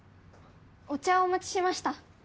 お茶をお持ちしました。